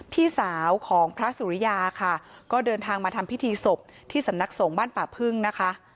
พี่สาวของพระสุริยาค่ะก็เดินทางมาทำพิธีศพที่สำนักสงฆ์บ้านป่าพึ่งนะคะ